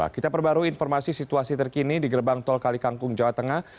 kita perbaru informasi situasi terkini di gerbang tol kali kangkung jawa tengah